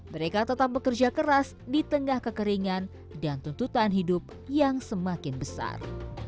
mereka tetap bekerja keras di tengah kekeringan dan tuntutan hidup yang semakin besar